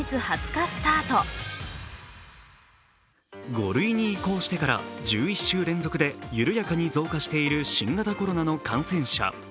５類に移行してから１１週連続で緩やかに増加している新型コロナの感染者。